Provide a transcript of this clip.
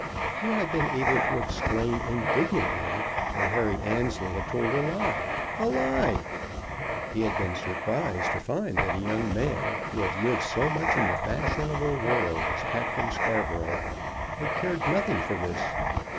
He had been able to exclaim indignantly that Harry Annesley had told a lie. "A lie!" He had been surprised to find that a young man who had lived so much in the fashionable world as Captain Scarborough had cared nothing for this.